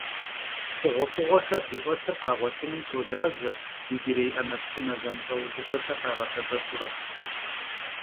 Xhuğuef'ığuexer zış'elhır khağuetınım tolaje, yicırêy 'emepsıme zemılh'eujığuexer khağesebepure.